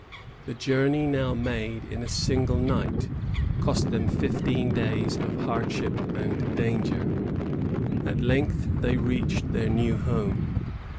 The journey now made in a single night cost them fifteen days of hardship and danger. At length they reached their new home.